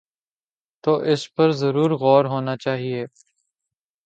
تو اس پر ضرور غور ہو نا چاہیے۔